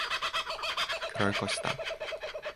그럴 것이다.